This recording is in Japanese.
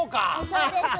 そうです。